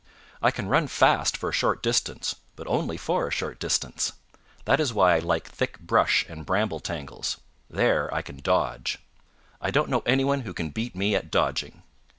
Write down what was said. I can run fast for a short distance, but only for a short distance. That is why I like thick brush and bramble tangles. There I can dodge. I don't know any one who can beat me at dodging.